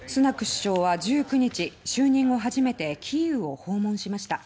首相は１９日就任後初めてキーウを訪問しました。